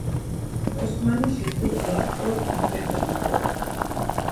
Osmanişi kukla ordzos gexet̆u doren.